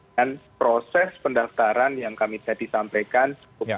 dan proses pendaftaran yang kami tadi sampaikan